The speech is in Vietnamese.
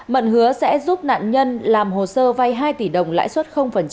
mận hứa sẽ giúp nạn nhân làm hồ sơ vay hai tỷ đồng lãi suất